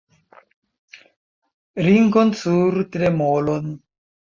Ringon sur tremolon!